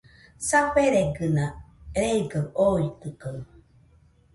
Saferegɨna reigaɨ oitɨkaɨ